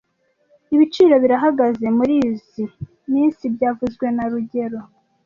Ibiciro birahagaze murizoi minsi byavuzwe na rugero